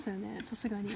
さすがに。